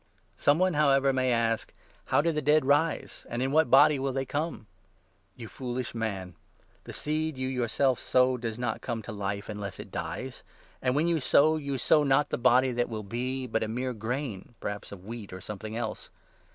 Some one, however, may ask ' How do the dead rise ? and in what body will they come ?' You foolish man ! The seed you yourself sow does not come to life, unless it dies ! And when you sow, you sow not the body that will be, but a mere grain — perhaps of wheat, or something else.